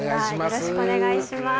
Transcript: よろしくお願いします。